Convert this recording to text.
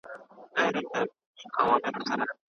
نوښت او خلاقیت تل امکان لري.